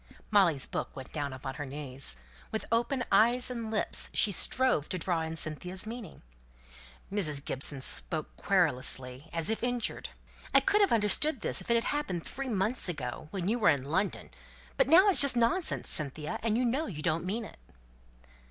Molly's book went down upon her knees; with open eyes and lips she strove to draw in Cynthia's meaning. Mrs. Gibson spoke querulously, as if injured, "I could have understood this if it had happened three months ago, when you were in London; but now it's just nonsense, Cynthia, and you know you don't mean it!"